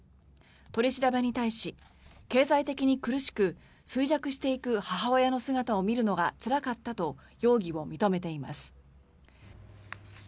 取り調べに対し、経済的に苦しく衰弱していく母親の姿を見るのがつらかったと容疑を認めています。